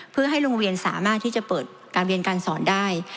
เพื่อให้โรงเรียนสามารถที่จะเปิดการเรียนการสอนได้